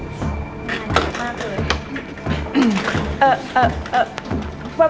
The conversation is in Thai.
นานมากเลย